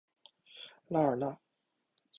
拉尔纳。